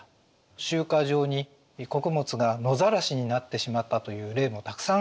集荷場に穀物が野ざらしになってしまったという例もたくさんありました。